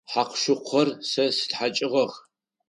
Хьакъу-шыкъухэр сэ стхьакӏыжьыгъэх.